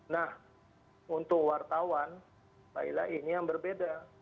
nah untuk wartawan mbak ila ini yang berbeda